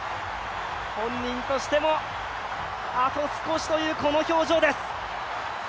本人としても、あと少しというこの表情です。